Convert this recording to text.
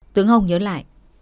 tướng hồng nhớ lại